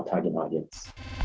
saya rasa universitas